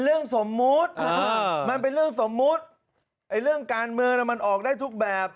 เรื่องสมมุติมันเป็นเรื่องสมมุติไอ้เรื่องการเมืองมันออกได้ทุกแบบ